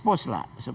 apa yang kita tarim